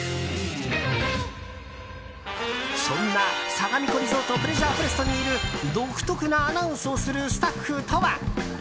そんな、さがみ湖リゾートプレジャーフォレストにいる独特なアナウンスをするスタッフとは。